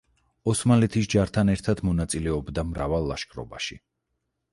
ოსმალეთის ჯართან ერთად მონაწილეობდა მრავალ ლაშქრობაში.